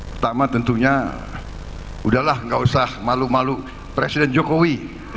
pertama tentunya udahlah nggak usah malu malu presiden jokowi